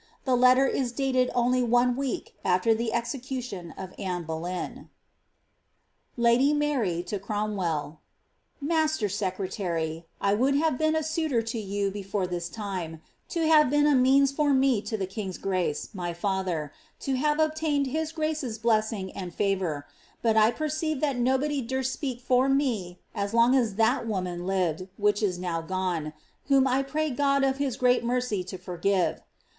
The letter is dated only one week afier the execution of Anne Boleyn. Ladt Mabt to CmOXWBLL. "Master Secretary, t* I would have been a suitor to you before this time, to hare been a meant fbr me to the king's grace, my father, to hare obtained his grace's blessing and &vour ; but I perceived that nobody durst speak for me as long at that woman ikted, which is now gone (whom I pray God of his great mercy to forgive).